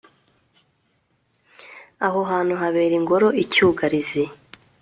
aho hantu habera ingoro icyugarizi